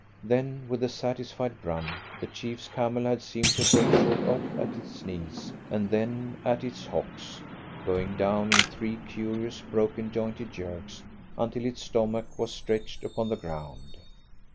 Then, with a satisfied grunt, the chief's camel had seemed to break short off at its knees, and then at its hocks, going down in three curious, broken jointed jerks until its stomach was stretched upon the ground.